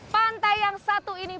pantai yang satu ini